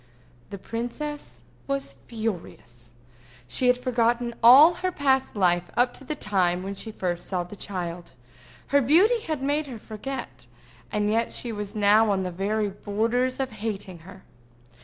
The princess was furious. She had forgotten all her past life up to the time when she first saw the child: her beauty had made her forget, and yet she was now on the very borders of hating her.